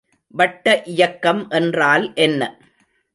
வட்ட இயக்கம் என்றால் என்ன?